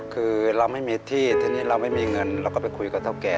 คือเราไม่มีที่ทีนี้เราไม่มีเงินเราก็ไปคุยกับเท่าแก่